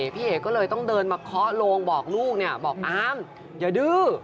พี่เอ๋ก็เลยต้องเดินมาเคาะโลงบอกลูกบอกอามอย่าดื้อ